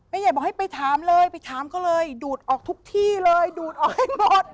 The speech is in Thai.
ใหญ่บอกให้ไปถามเลยไปถามเขาเลยดูดออกทุกที่เลยดูดออกให้หมด